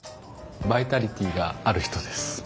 バイタリティーがある人です。